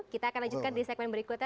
kita akan lanjutkan di segmen berikutnya